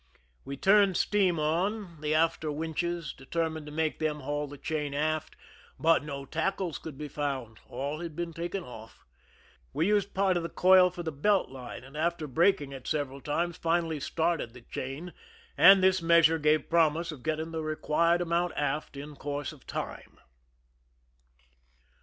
We turned steam on the after winches, determined to make them haul the chain aft, but no tackles could be found ; all had been taken off. We used part of the coil for the belt line, and after breaking it several times finally started the chain, and this measure gave promise of getting the required amount aft in course of time.